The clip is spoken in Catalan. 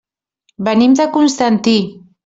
Venim de Constantí.